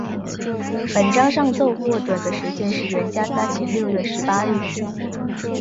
本章上奏获准的时间是元嘉三年六月十八日。